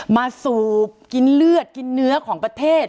สูบกินเลือดกินเนื้อของประเทศ